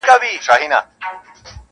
نجلۍ له شرمه پټه ساتل کيږي,